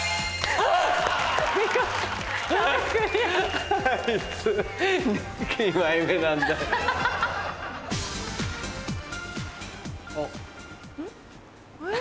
あっ。